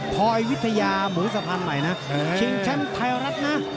คอยวิทยามือสะพานใหม่นะชิงแชมป์ไทยรัฐนะ